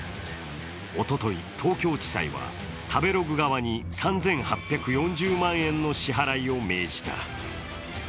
おととい東京地裁は食べログ側に３８４０万円の支払いを命じた。